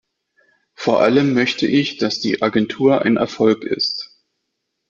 Vor allem möchte ich, dass die Agentur ein Erfolg ist.